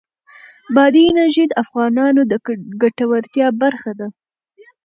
بادي انرژي د افغانانو د ګټورتیا برخه ده.